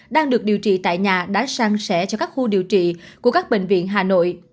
đang được điều trị tại nhà đã sang sẻ cho các khu điều trị của các bệnh viện hà nội